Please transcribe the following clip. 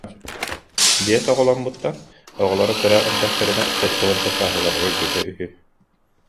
Биэс оҕоломмуттар, оҕолоро олох кыра эрдэхтэринэ, сэттэ уонча сааһыгар өлбүтэ үһү